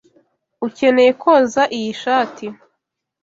Ukeneye koza iyi shati.